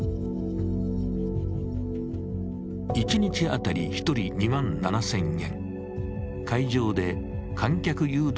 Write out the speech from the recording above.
一日当たり１人２万７０００円。